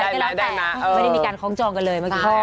อะไรก็ได้นะไม่ได้มีการค้องจองกันเลยเมื่อกี้พอ